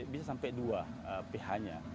bisa sampai dua ph nya